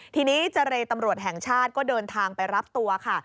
ทีนี้เจรตำรวจแห่งชาติก็เดินทางไปรับตัวค่ะ